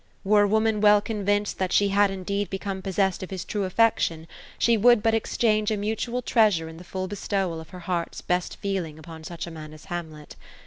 " Were a woman well convinced that she had indeed become possessed of his true affection, she would but exchange a mutual treasure in the full bestowal of her heart's best feelings upon such a man as Hamlet.